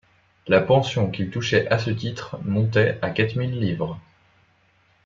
La pension qu’il touchait à ce titre montait à quatre mille livres.